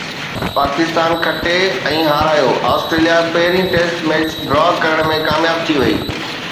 پاڪستان کٽي ۽ هارايو، آسٽريليا پهرين ٽيسٽ ميچ ڊرا ڪرڻ ۾ ڪامياب ٿي وئي